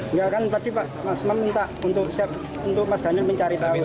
enggak kan berarti pak masman minta untuk mas daniel mencari tahu